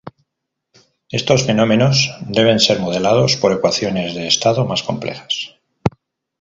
Estos fenómenos deben ser modelados por ecuaciones de estado más complejas.